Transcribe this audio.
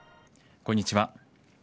こんにちは。